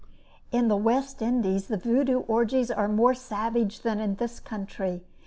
In the West Indies, the Vaudoux orgies are more savage than in this country.